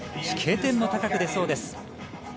飛型点も高く出そうです。